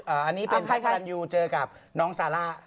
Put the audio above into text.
อันนี้เป็นแท็กกระตันยูเจอกับน้องซาร่า